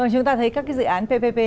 chúng ta thấy các dự án ppp